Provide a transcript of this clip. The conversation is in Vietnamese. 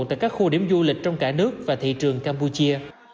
tại các khu điểm du lịch trong cả nước và thị trường campuchia